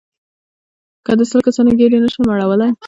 که د سل کسانو ګېډې نه شئ مړولای.